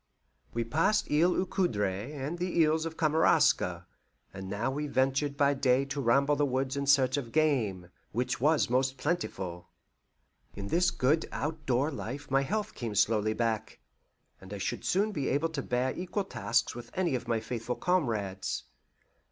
We passed Isle aux Coudres and the Isles of Kamaraska, and now we ventured by day to ramble the woods in search of game, which was most plentiful. In this good outdoor life my health came slowly back, and I should soon be able to bear equal tasks with any of my faithful comrades.